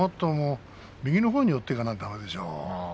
右のほうに寄っていかなきゃだめでしょう